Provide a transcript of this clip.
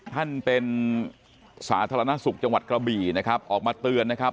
ท่านเป็นสาธารณสุขจังหวัดกระบี่นะครับออกมาเตือนนะครับ